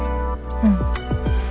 うん。